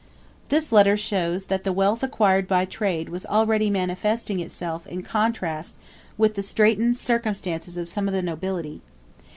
This letter shows that the wealth acquired by trade was already manifesting itself in contrast with the straitened circumstances of some of the nobility.